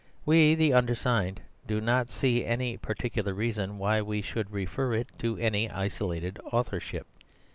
We, the undersigned, do not see any particular reason why we should refer it to any isolated authorship.